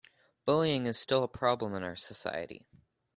Bullying is still a problem in our society.